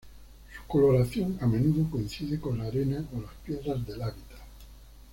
Su coloración a menudo coincide con la arena o las piedras del hábitat.